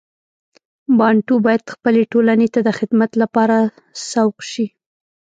بانټو باید خپلې ټولنې ته د خدمت لپاره سوق شي.